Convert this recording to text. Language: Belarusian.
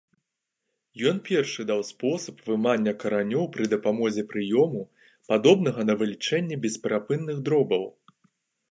Ён першы даў спосаб вымання каранёў пры дапамозе прыёму, падобнага на вылічэнне бесперапынных дробаў.